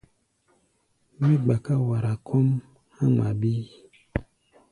Mí gbaká wara kɔ́ʼm há̧ ŋma bíí.